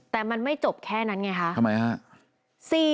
แต่มันไม่จบแค่นั้นไงคะทำไมฮะ